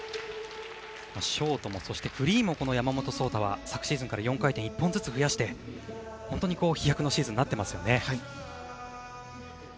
ショートもフリーも山本草太は昨シーズンから４回転を１本ずつ増やして本当に飛躍のシーズンになっています。